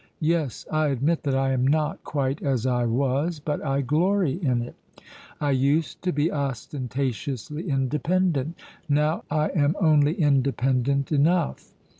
Yes, I admit that I am not quite as I was, but I glory in it. I used to be ostentatiously independent; now I am only independent enough.